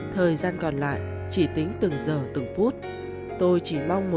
thời gian còn lại chị tính